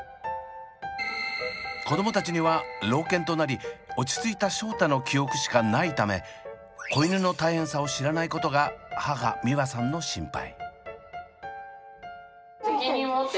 子どもたちには老犬となり落ち着いたショータの記憶しかないため子犬の大変さを知らないことが母美和さんの心配。